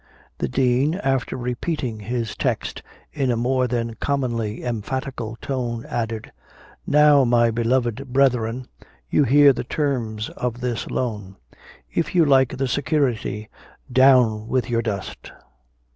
The Dean, after repeating his text in a more than commonly emphatical tone, added, "Now, my beloved brethren, you hear the terms of this loan; if you like the security, down with your dust."